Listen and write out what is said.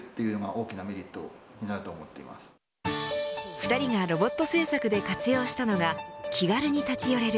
２人がロボット製作で活用したのが気軽に立ち寄れる